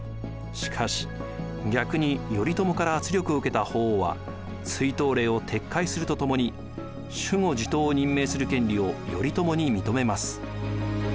しかし逆に頼朝から圧力を受けた法皇は追討令を撤回するとともに守護・地頭を任命する権利を頼朝に認めます。